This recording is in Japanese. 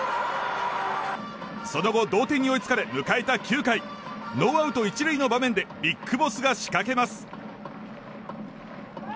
その後、同点に追いつかれ迎えた９回ノーアウト１塁の場面でＢＩＧＢＯＳＳがしかけます。